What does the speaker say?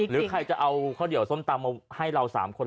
หรือใครจะเอาข้าวเหนียวส้มตำมาให้เรา๓คน